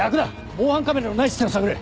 防犯カメラのない地点を探れ。